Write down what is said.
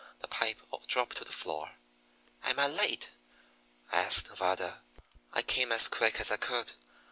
The pipe dropped to the floor. "Am I late?" asked Nevada. "I came as quick as I could.